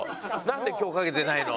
なんで今日かけてないの？